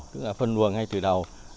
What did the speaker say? tức là phân luồng ngay từ đầu